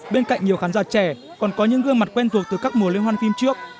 bên cạnh nhiều khán giả trẻ còn có những gương mặt quen thuộc từ các mùa lên hoan phim trước